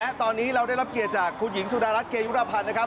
และตอนนี้เราได้รับเกียรติจากคุณหญิงสุดารัฐเกยุรพันธ์นะครับ